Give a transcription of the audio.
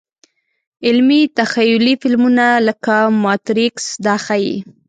علمي – تخیلي فلمونه لکه ماتریکس دا ښيي.